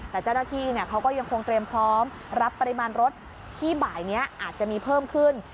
แต่เจ้าหน้าที่เขาก็ยังคงเตรียมพร้อมรับปริมาณรถที่บ่ายนี้อาจจะมีเพิ่มขึ้น